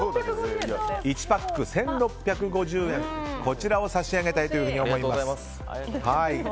１パック１６５０円を差し上げたいと思います。